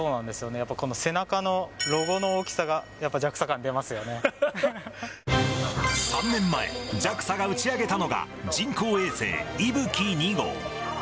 やっぱこの背中のロゴの大きさが、３年前、ＪＡＸＡが打ち上げたのが、人工衛星いぶき２号。